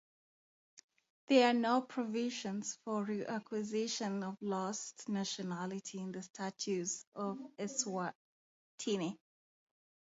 There are no provisions for reacquisition of lost nationality in the statutes of Eswatini.